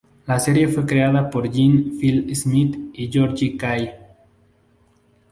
La serie fue creada por Jim Field Smith y George Kay.